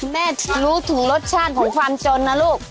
แม่รู้ถึงรสชาติของความจนนะลูก